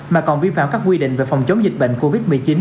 mà còn vi phạm các quy định về phòng chống dịch bệnh covid một mươi chín